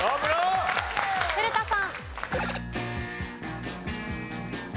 古田さん。